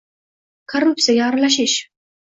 korrupsiyaga aralashish